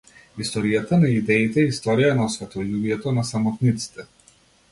Историјата на идеите е историја на осветољубието на самотниците.